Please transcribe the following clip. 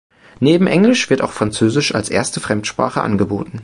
Neben Englisch wird auch Französisch als erste Fremdsprache angeboten.